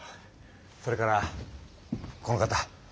それからこの方。